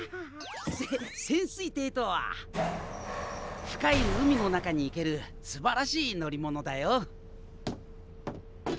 せ潜水艇とは深い海の中に行けるすばらしい乗り物だよ。